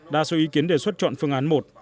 đa số ý kiến đề xuất chọn phương án một